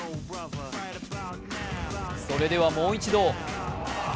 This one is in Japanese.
それではもう一度。